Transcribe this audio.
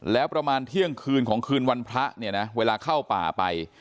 แล้วประมาณเที่ยงคืนของคืนวันพระเนี่ยนะเวลาเข้าป่าไป